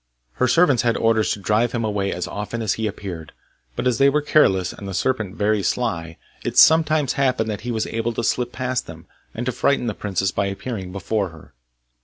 Her servants had orders to drive him away as often as he appeared; but as they were careless, and the serpent very sly, it sometimes happened that he was able to slip past them, and to frighten the princess by appearing before her.